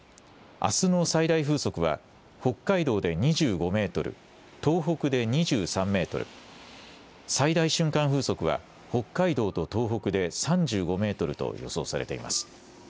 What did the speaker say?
あすの最大風速は北海道で２５メートル、東北で２３メートル、最大瞬間風速は北海道と東北で３５メートルと予想されています。